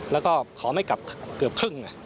แล้วก็ขอไม่กลับเกือบครึ่ง